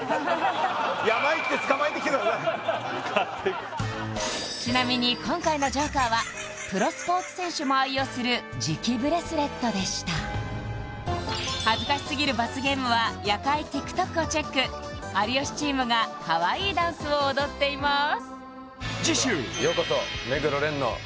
これはちなみに今回のＪＯＫＥＲはプロスポーツ選手も愛用する磁気ブレスレットでした恥ずかしすぎる罰ゲームは夜会ＴｉｋＴｏｋをチェック有吉チームがかわいいダンスを踊っています